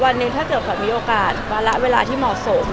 วันหนึ่งถ้าเกิดขวัญมีโอกาสวาระเวลาที่เหมาะสม